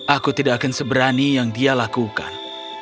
aku tidak akan seberani yang dia lakukan